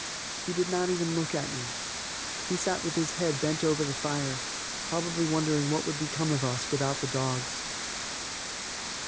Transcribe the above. He did not even look at me. He sat with his head bent over the fire; probably wondering what would become of us without the dogs.